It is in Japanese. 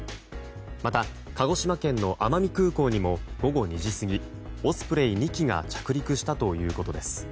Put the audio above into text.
また、鹿児島県の奄美空港にも午後２時過ぎ、オスプレイ２機が着陸したということです。